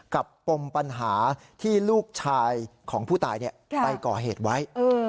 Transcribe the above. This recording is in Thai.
ปมปัญหาที่ลูกชายของผู้ตายไปก่อเหตุไว้